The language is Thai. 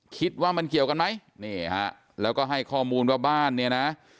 คิดว่ามันเกี่ยวกันไหมนี่ฮะแล้วก็ให้ข้อมูลว่าบ้านเนี่ยนะ